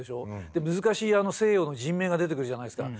で難しい西洋の人名が出てくるじゃないですか。